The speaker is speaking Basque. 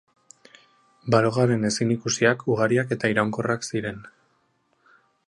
Barojaren ezinikusiak ugariak eta iraunkorrak ziren.